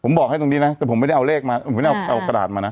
ผมบอกให้ตรงนี้นะแต่ผมไม่ได้เอาเลขมาผมไม่ได้เอากระดาษมานะ